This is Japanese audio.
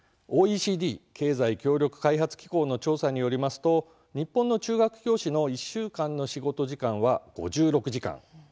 ＯＥＣＤ＝経済協力開発機構の調査によりますと日本の中学教師の１週間の仕事時間は５６時間。